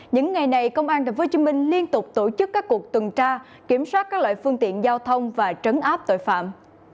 những ngày này công an tp hcm liên tục tổ chức các cuộc tuần tra kiểm soát các loại phương tiện giao thông và trấn áp tội phạm